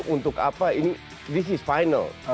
untuk apa ini ini final